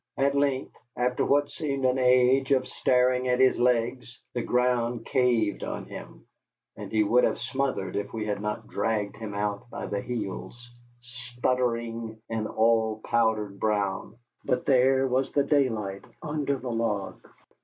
At length, after what seemed an age of staring at his legs, the ground caved on him, and he would have smothered if we had not dragged him out by the heels, sputtering and all powdered brown. But there was the daylight under the log.